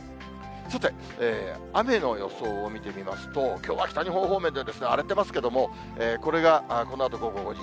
さて、雨の予想を見てみますと、きょうは北日本方面で荒れてますけれども、これがこのあと午後５時。